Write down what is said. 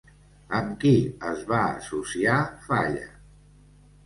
Amb qui es va associar Falla?